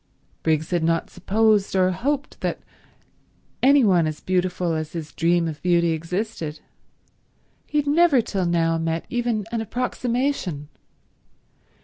Briggs had not supposed or hoped that any one as beautiful as his dream of beauty existed. He had never till now met even an approximation.